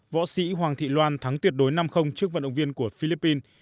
võ sĩ hoàng thị loan thắng tuyệt đối năm trước vận động viên của philippines